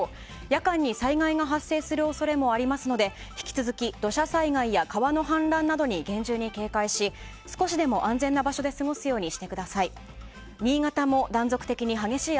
夜間に災害が発生する恐れもありますので引き続き土砂災害や川の氾濫などに厳重に警戒し少しでも安全な場所で過ごすようにしてください。